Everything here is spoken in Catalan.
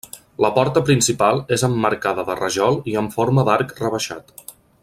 La porta principal és emmarcada de rajol i amb forma d'arc rebaixat.